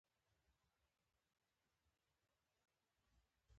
نيکه ته غوسه ورغله.